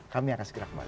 kami akan segera kembali